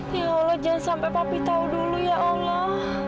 ya allah jangan sampai papi tahu dulu ya allah